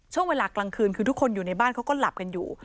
ช่วงเวลากลางคืนคือทุกคนอยู่ในบ้านเขาก็หลับกันอยู่